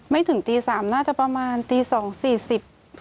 ไม่ถึงตี๓น่าจะประมาณตี๒๔๐๔๕นี่